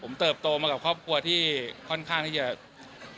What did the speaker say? ผมเติบโตมากับครอบครัวที่ค่อนข้างที่จะ